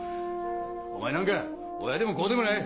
お前なんか親でも子でもない。